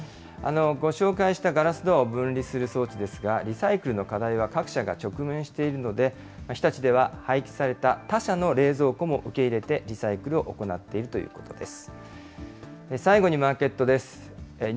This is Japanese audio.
ご紹介したガラスドアを分離する装置ですが、リサイクルの課題は、各社が直面しているので、日立では、廃棄された他社の冷蔵庫も受け入れて、リサイクルを行っているということです。